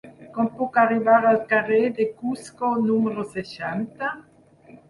Com puc arribar al carrer de Cusco número seixanta?